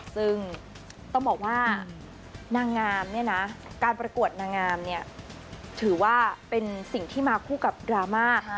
ซึ่งต้องบอกว่านางงามเนี่ยนะการประกวดนางงามเนี่ยถือว่าเป็นสิ่งที่มาคู่กับดราม่า